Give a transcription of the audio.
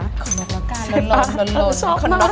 ขนกหรือกันลง